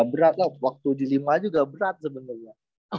ya berat loh waktu di lima juga berat sebenernya